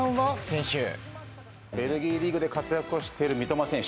ベルギーリーグで活躍をしている三笘選手。